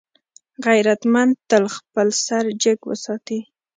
غیرتمند تل خپل سر جګ وساتي